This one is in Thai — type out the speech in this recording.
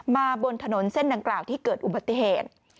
บนถนนเส้นดังกล่าวที่เกิดอุบัติเหตุ